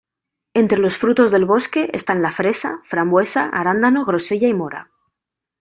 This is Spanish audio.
Entre los frutos del bosque, están la fresa, frambuesa, arándano, grosella y mora.